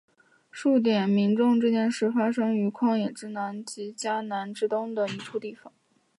数点民众这件事发生于旷野之南及迦南之东的一处地方。